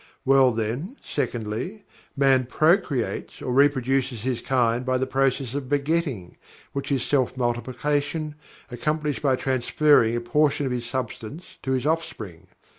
Well, then, secondly, Man pro creates or reproduces his kind by the process of begetting, which is self multiplication accomplished by transferring a portion of his substance to his offspring.